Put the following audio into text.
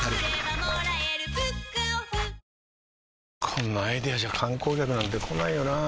こんなアイデアじゃ観光客なんて来ないよなあ